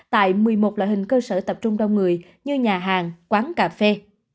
tại một mươi một loại hình cơ sở tập trung đông người như nhà hàng quán cà phê